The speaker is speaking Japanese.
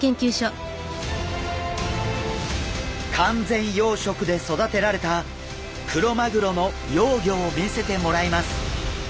完全養殖で育てられたクロマグロの幼魚を見せてもらいます。